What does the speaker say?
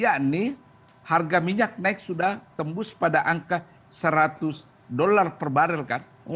yakni harga minyak naik sudah tembus pada angka seratus dolar per barrel kan